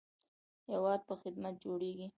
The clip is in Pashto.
هیواد په خدمت جوړیږي